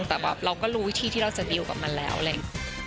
แต่แบบเราก็รู้วิธีที่เราจะดีลกับมันแล้วเลย